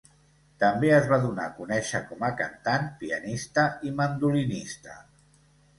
També es va donar a conèixer com a cantant, pianista i mandolinista.